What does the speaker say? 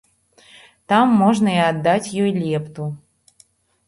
Там можна і аддаць ёй лепту.